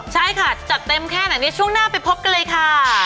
ใช่ค่ะจัดเต็มแค่ไหนในช่วงหน้าไปพบกันเลยค่ะ